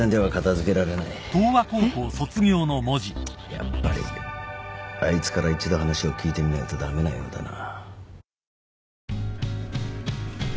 やっぱりあいつから一度話を聞いてみないと駄目なようだな。